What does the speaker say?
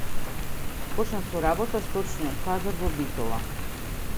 Почна со работа Сточниот пазар во Битола